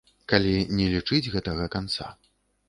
Калі не лічыць гэтага канца.